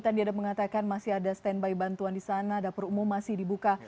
tadi ada mengatakan masih ada standby bantuan di sana dapur umum masih dibuka